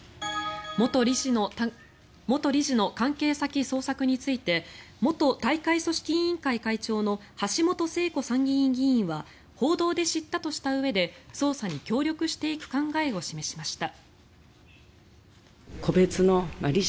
元理事の関係先捜索について元大会組織委員会会長の橋本聖子参議院議員は報道で知ったとしたうえで捜査に協力していく考えを示しました。